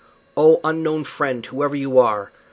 Oh, unknown friend! whoever you are.